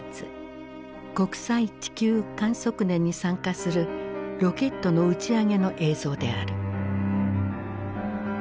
国際地球観測年に参加するロケットの打ち上げの映像である。